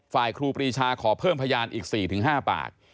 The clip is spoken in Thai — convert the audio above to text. ครูปรีชาขอเพิ่มพยานอีก๔๕ปาก